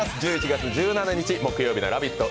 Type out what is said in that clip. １１月１７日木曜日の「ラヴィット！」